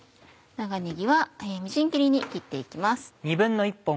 長ねぎはみじん切りに切って行きます。